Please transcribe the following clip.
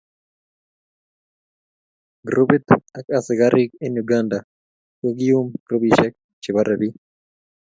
Grupit ak askarik eng Uganda kokiuma grupishek che bare bik.